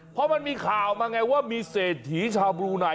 เพราะมันมีข่าวมาไงว่ามีเศรษฐีชาวบลูไน